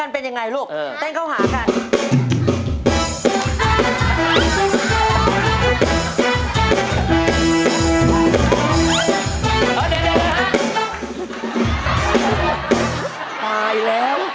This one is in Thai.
ไปแล้ว